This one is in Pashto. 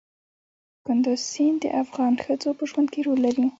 کندز سیند د افغان ښځو په ژوند کې رول لري.